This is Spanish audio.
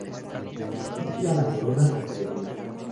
Servir a la corona o servir.